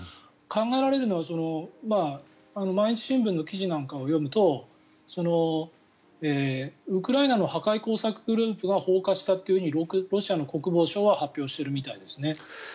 考えられるのは毎日新聞の記事なんかを読むとウクライナの破壊工作グループが放火したというようにロシアの国防省は発表しているみたいですね。